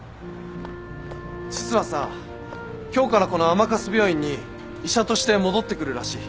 実はさ今日からこの甘春病院に医者として戻ってくるらしい